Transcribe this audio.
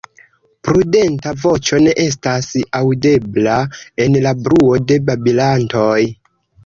Prudenta voĉo ne estas aŭdebla en la bruo de babilantoj.